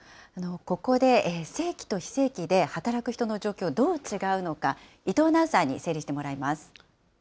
ここで、正規と非正規で働く人の状況、どう違うのか、伊藤アナウンサーに整理してもらいます。